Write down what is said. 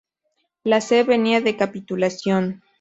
La "C" venía de "Capitulación".